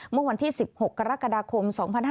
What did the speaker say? เมื่อวันที่๑๖กรกฎาคม๒๕๕๙